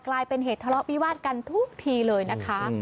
กลายเป็นเหตุทะเลาะวิวาดกันทุกทีเลยนะคะ